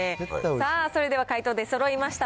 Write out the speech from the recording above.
さあ、それでは回答出そろいました。